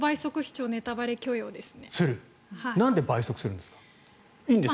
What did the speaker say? なんでネタバレするんですか？